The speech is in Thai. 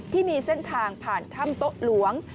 ที่มีเส้นทางผ่านถ้ำโต๊ะหลวง